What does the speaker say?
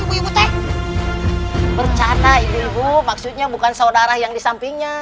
berbicara ibu ibu maksudnya bukan saudara yang disampingnya